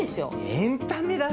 エンタメだろ？